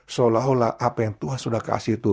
seolah olah apa yang tuhan sudah kasih itu